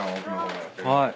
はい。